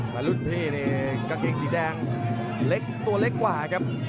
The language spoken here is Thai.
และรุ่นพี่ในกางเกงสีแดงตัวเล็กกว่าครับ